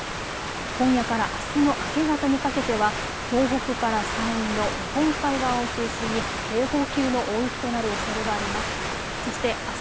今夜からあすの明け方にかけては東北から山陰の日本海側を中心に警報級の大雪となるおそれがあります。